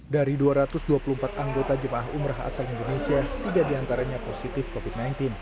dari dua ratus dua puluh empat anggota jemaah umroh asal indonesia tiga diantaranya positif covid sembilan belas